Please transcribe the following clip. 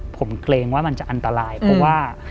ผมเกรงว่ามันจะอันตรายเพราะว่า